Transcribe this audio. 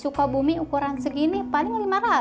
sukabumi ukuran segini paling lima ratus